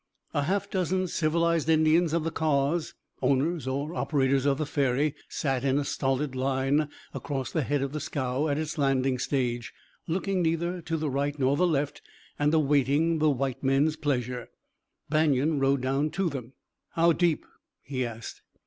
A half dozen civilized Indians of the Kaws, owners or operators of the ferry, sat in a stolid line across the head of the scow at its landing stage, looking neither to the right nor the left and awaiting the white men's pleasure. Banion rode down to them. "How deep?" he asked.